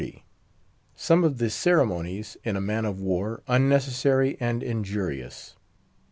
SOME OF THE CEREMONIES IN A MAN OF WAR UNNECESSARY AND INJURIOUS.